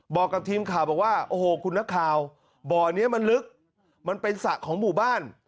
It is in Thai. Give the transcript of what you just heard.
บอกกับทีมข่าวบอกว่าโอ้โหคุณนักข่าวบ่อนี้มันลึกมันเป็นสระของหมู่บ้าน